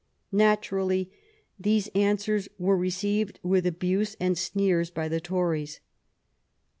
Naturally, these answers were received with abuse and sneers by the Tories.